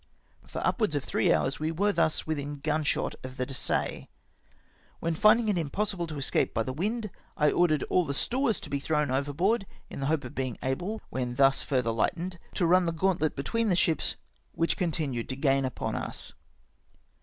For upwards of three hours we were thus within gunshot of the Dessaix, when finding it impossible to escape by the wind, I ordered aU the stores to be thrown overboard, in the hope of being able, when thus further hghtened, to run the gauntlet between the ships, which continued to gain upon us.